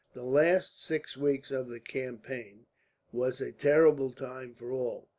The last six weeks of the campaign was a terrible time for all.